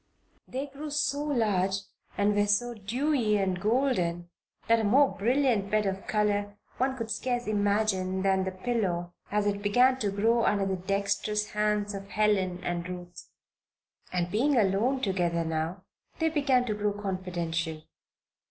They grew so large, and were so dewey and golden, that a more brilliant bed of color one could scarce imagine than the pillow, as it began to grow under the dexterous hands of Helen and Ruth. And, being alone together now, they began to grow confidential.